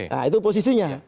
nah itu posisinya